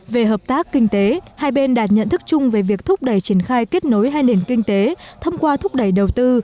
về hợp tác kinh tế hai bên đã nhận thức chung về việc thúc đẩy triển khai kết nối hai nền kinh tế thông qua thúc đẩy đầu tư